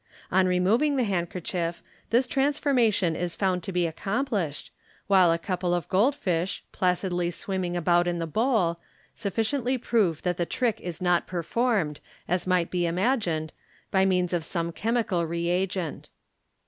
On removing the handkerchief, this transformation is found to be accomplished, while a couple of gold fish, placidly swimming about in the bowl, sufficiently prove that the trick is not performed, as might be imagined, by means of some chemical reagent.